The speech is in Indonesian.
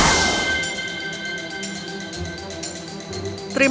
aku akan berada di sini